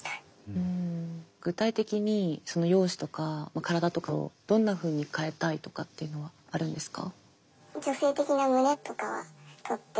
うん具体的にその容姿とか体とかをどんなふうに変えたいとかっていうのはあるんですか？